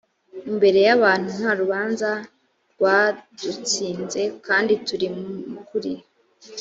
imbere y abantu nta rubanza rwadutsinze kandi turi mukri